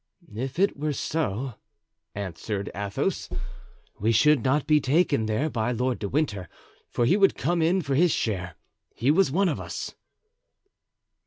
"If it were so," answered Athos, "we should not be taken there by Lord de Winter, for he would come in for his share; he was one of us."